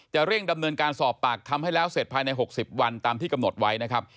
เร่งดำเนินการสอบปากคำให้แล้วเสร็จภายใน๖๐วันตามที่กำหนดไว้นะครับ